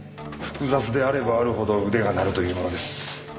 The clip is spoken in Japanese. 複雑であればあるほど腕が鳴るというものです。